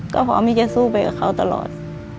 ก็พร้อมที่จะสู้ไปกับเขาตลอด